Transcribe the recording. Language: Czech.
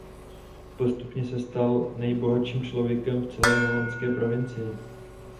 Postupně se stal nejbohatším člověkem v celé holandské provincii.